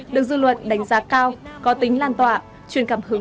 được dư luận đánh giá cao có tính lành